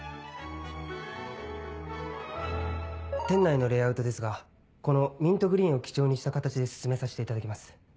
店内のレイアウトですがこのミントグリーンを基調にした形で進めさせていただきます。